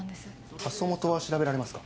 発送元は調べられますか？